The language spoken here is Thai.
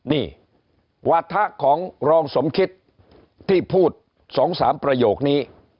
นี่วาถะของรองสมคิดที่พูด๒๓ประโยคนี้